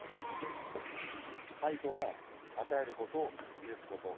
愛とは与えること、許すこと。